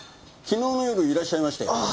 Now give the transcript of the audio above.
昨日の夜いらっしゃいましたよ。